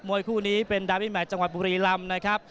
วยคู่นี้เป็นดาวินแมทจังหวัดบุรีลำนะครับ